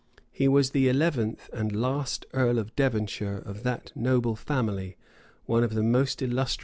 He was the eleventh and last earl of Devonshire of that noble family, one of the most illustrious in Europe.